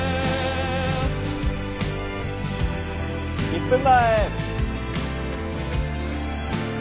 １分前！